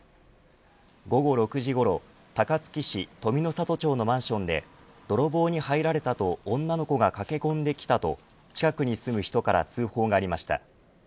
午後６時ごろ高槻市登美の里町のマンションで泥棒に入られたと女の子が駆け込んできたと近くに住む人から通報がありました。